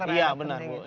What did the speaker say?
iya benar bu